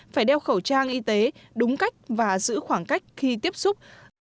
phải đeo khẩu trang y tế đúng cách và giữ khoảng cách khi tiếp xúc